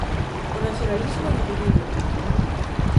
O nacionalismo dividido.